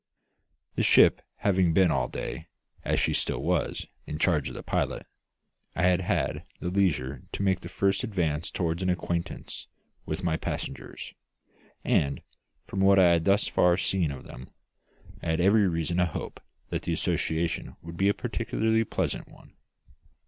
The ship having been all day as she still was in charge of the pilot, I had had leisure to make the first advances toward an acquaintance with my passengers; and, from what I had thus far seen of them, I had every reason to hope that the association would be a particularly pleasant one.